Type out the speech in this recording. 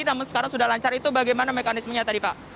namun sekarang sudah lancar itu bagaimana mekanismenya tadi pak